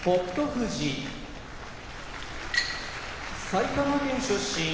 富士埼玉県出身